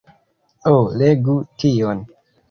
Oh, legu tion!